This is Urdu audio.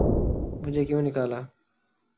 ''مجھے کیوں نکالا‘‘۔